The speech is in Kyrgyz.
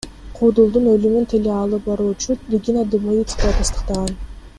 Куудулдун өлүмүн теле алып баруучу Регина Дубовицкая тастыктаган.